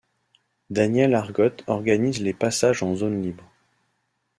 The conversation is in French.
Daniel Argote organise les passages en zone libre.